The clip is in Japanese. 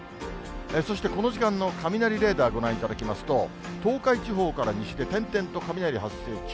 そしてこの時間の雷レーダーご覧いただきますと、東海地方から西で点々と雷発生中。